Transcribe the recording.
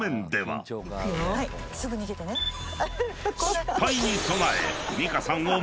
［失敗に備え］